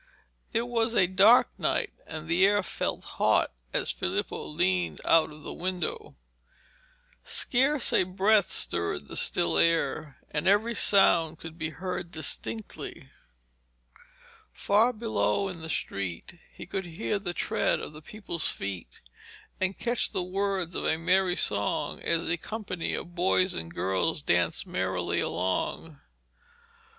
It was a dark night, and the air felt hot as Filippo leaned out of the window. Scarce a breath stirred the still air, and every sound could be heard distinctly. Far below in the street he could hear the tread of the people's feet, and catch the words of a merry song as a company of boys and girls danced merrily along.